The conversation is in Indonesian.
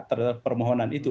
terhadap permohonan itu